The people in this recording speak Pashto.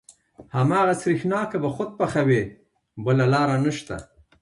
هماغه سرېښناکه به خود پخوې بله لاره نشته.